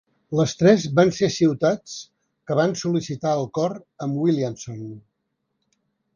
Les tres van ser ciutats que van sol·licitar el cor amb Williamson.